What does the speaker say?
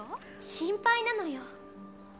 心配なのよ